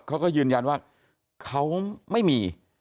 เขาก็ยืนยันว่าเขาไม่มี